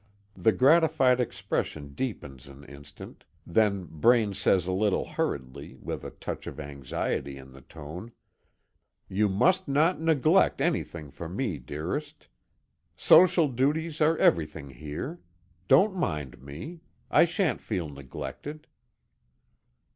The gratified expression deepens an instant; then Braine says a little hurriedly, with a touch of anxiety in the tone: "You must not neglect anything for me, dearest. Social duties are everything here. Don't mind me. I sha'n't feel neglected."